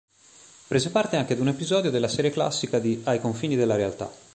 Prese parte anche ad un episodio della serie classica di "Ai confini della realtà".